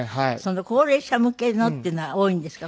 高齢者向けのっていうのが多いんですか？